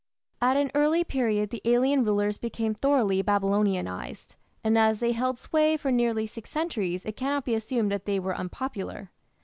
At an early period the alien rulers became thoroughly Babylonianized, and as they held sway for nearly six centuries it cannot be assumed that they were unpopular.